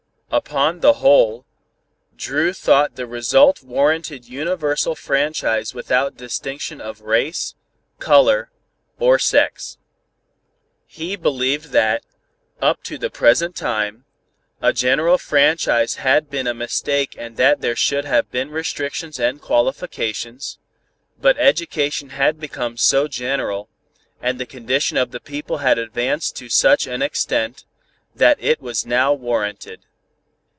Upon the whole, Dru thought the result warranted universal franchise without distinction of race, color or sex. He believed that, up to the present time, a general franchise had been a mistake and that there should have been restrictions and qualifications, but education had become so general, and the condition of the people had advanced to such an extent, that it was now warranted.